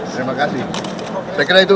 terima kasih saya kira itu